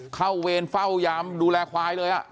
เวรเฝ้ายามดูแลควายเลย